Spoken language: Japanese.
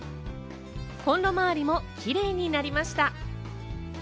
コンロ周りもキレイになりました。